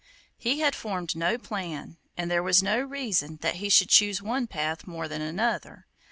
He had formed no plan, and there was no reason that he should choose one path more than another.